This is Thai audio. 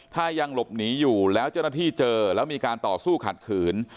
ถ้ายังหลบหนีอยู่แล้วเจ้าหน้าที่เจอแล้วมีการต่อสู้ขัดขืน